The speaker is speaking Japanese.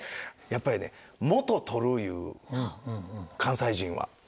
やっぱりね「元取る」いう関西人は。